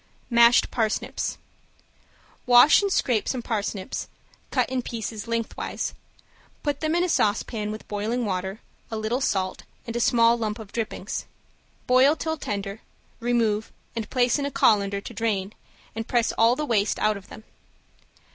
~MASHED PARSNIPS~ Wash and scrape some parsnips, cut in pieces lengthwise, put them in a saucepan with boiling water, a little salt and a small lump of drippings. Boil till tender, remove and place in a colander to drain, and press all the waste out of them.